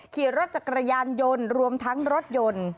ขี่รถจักรยานยนต์รวมทั้งรถยนต์